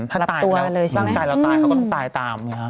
ถ้าตายแล้วร่างกายเราตายเขาก็ต้องตายตาม